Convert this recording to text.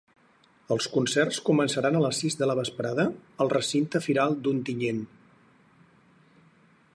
Els concerts començaran a les sis de la vesprada al recinte firal d’Ontinyent.